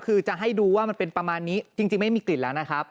คือจะให้ดูว่ามันเป็นประมาณนี้จริงไม่มีกลิ่นแล้วนะครับ